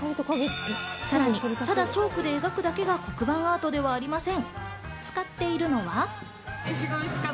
さらに、ただチョークで描くだけが黒板アートではありません。